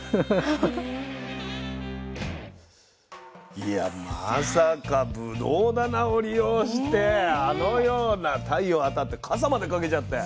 いやまさかぶどう棚を利用してあのような太陽当たってかさまでかけちゃって。